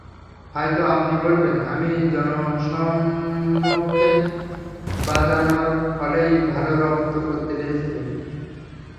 হয়তো আপনি বলবেন, আমি জনসমক্ষে বাজানোর ফলেই ভালো রপ্ত করতে পেরেছিলাম।